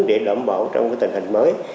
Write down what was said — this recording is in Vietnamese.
để đảm bảo trong cái tình hình mới